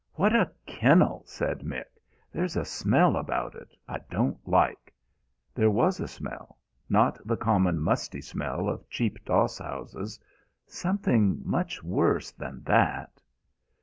"What a kennel!" said Mick. "There's a smell about it I don't like." There was a smell; not the common musty smell of cheap doss houses, something much worse than that....